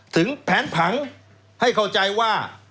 ถึงแผนผังให้เข้าใจว่า